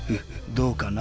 どうかな？